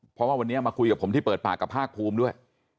เพราะว่าวันนี้มาคุยกับผมที่เปิดปากกับภาคภูมิด้วย